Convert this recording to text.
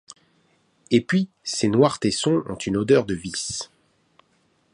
Et puis ces noirs tessons ont une odeur de vices.